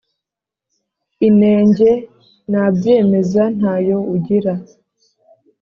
Inenge nabyemeza ntayo ugira